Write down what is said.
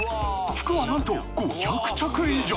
服はなんと５００着以上！